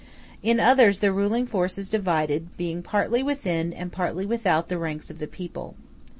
In others the ruling force is divided, being partly within and partly without the ranks of the people.